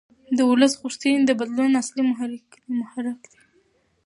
د ولس غوښتنې د بدلون اصلي محرک دي